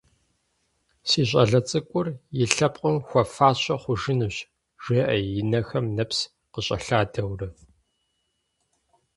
Си щӏалэ цӏыкӏур и лъэпкъым хуэфащэ хъужынущ, – жеӏэ, и нэхэм нэпс къыщӏэлъадэурэ.